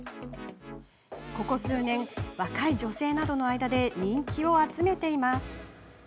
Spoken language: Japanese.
ここ数年、若い女性などの間で人気を集めています。